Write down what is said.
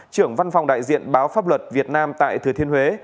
trưởng văn phòng đại diện báo pháp luật việt nam tại thừa thiên huế